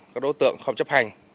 các đối tượng không chấp hành